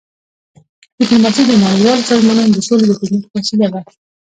ډيپلوماسي د نړیوالو سازمانونو د سولي د ټینګښت وسیله ده.